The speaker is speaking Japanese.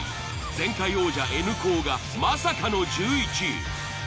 前回王者Ｎ高がまさかの１１位。